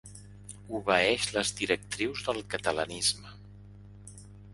Obeeix les directrius del catalanisme.